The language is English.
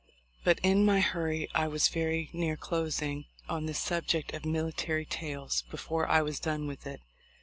"But in my hurry I was very near closing on this subject of military' tails before I was done with it.